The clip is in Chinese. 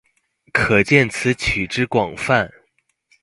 可见此曲之广泛。